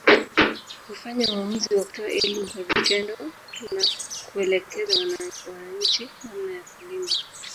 Hufanya uamuzi wa kutoa elimu kwa vitendo na kuelekeza wananchi namna ya kulima